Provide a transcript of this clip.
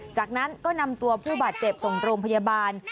จากนั้นก็นำตัวผู้บาดเจ็บส่งโรงพยาบาล